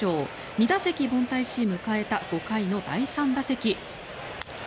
２打席凡退し迎えた５回の第３打席。